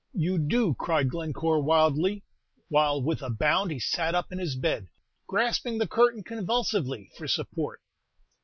"You do!" cried Glencore, wildly, while with a bound he sat up in his bed, grasping the curtain convulsively for support.